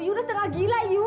yu udah setengah gila yu